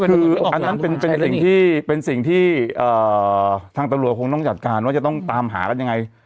คืออันนั้นเป็นสิ่งที่เป็นสิ่งที่ทางตำรวจคงต้องจัดการว่าจะต้องตามหากันยังไง